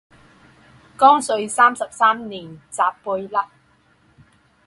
光绪三十三年袭贝勒。